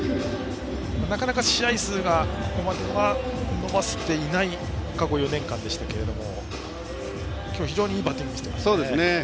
なかなか試合数がここまでは伸ばせていない過去４年間でしたけども今日は非常にいいバッティングを見せていますね。